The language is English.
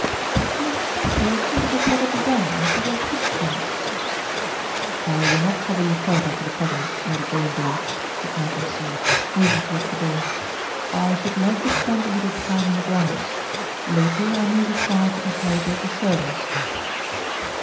"The inspector thought it had better be done, as there were footprints." "I will not trouble you further for the present, Lady Glanedale," said Malcolm Sage, moving towards the door. "I should like to spend a little time in the grounds. Later I may require to interrogate the servants."